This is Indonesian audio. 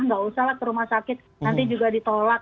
nggak usah lah ke rumah sakit nanti juga ditolak